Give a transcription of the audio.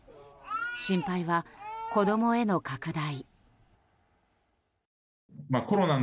心配は子供への拡大。